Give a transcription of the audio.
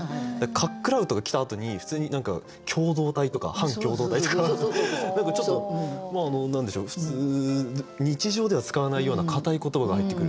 「かっ食らう」とか来たあとに普通に何か「共同体」とか「反共同体」とか何かちょっと普通日常では使わないような硬い言葉が入ってくる。